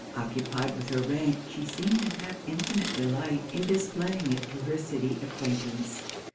Occupied with her rank, she seemed to have infinite delight in displaying it to her city acquaintance.